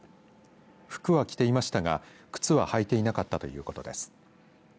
服は着ていましたが靴は履いていなかったということです。